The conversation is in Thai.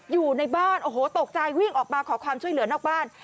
อยู่ในบ้านโอ้โหตกใจวิ่งออกมาขอความช่วยเหลือนอกบ้าน